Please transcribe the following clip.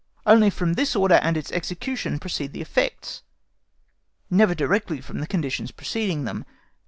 Only from this order and its execution proceed the effects, never directly from the conditions preceding them.